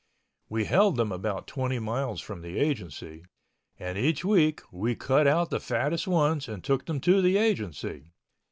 We held them about twenty miles from the Agency, and each week we cut out the fattest ones and took them to the Agency.